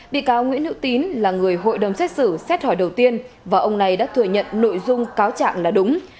bị cáo nguyễn hữu tín là người hội đồng xét xử xét hỏi đầu tiên và ông này đã thừa nhận nội dung cáo trạng là đúng